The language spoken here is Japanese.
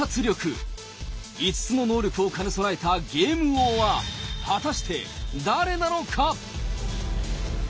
５つの能力を兼ね備えたゲーム王は果たして誰なのか！